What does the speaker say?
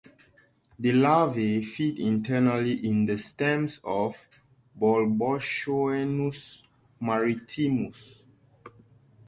The larvae feed internally in the stems of "Bolboschoenus maritimus".